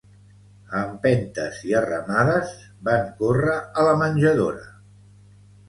A empentes, i a remades, van corre a la menjadora.